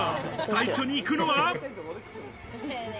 最初に行くのは。